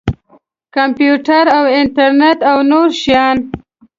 کمپیوټر او انټرنټ او نور شیان.